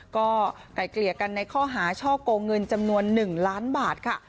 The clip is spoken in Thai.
ก็ไกลเกลี่ยกันในข้อหาช่อกงเงินจำนวน๑ล้านบาทค่ะ